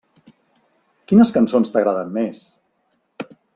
Quines cançons t'agraden més?